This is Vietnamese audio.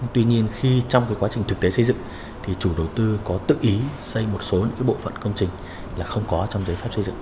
tuy nhiên khi trong cái quá trình thực tế xây dựng thì chủ đầu tư có tự ý xây một số những cái bộ phận công trình là không có trong giới pháp xây dựng